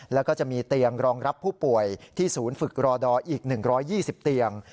แล้วก็จะมีเตียงรองรับผู้ป่วยที่ศูนย์ฝึกรอดอร์อีก๑๒๐เตียง